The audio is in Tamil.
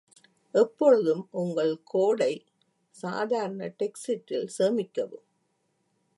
எப்பொழுதும் உங்கள் கோடை சாதாரண டெக்சிட்டில் சேமிக்கவும்.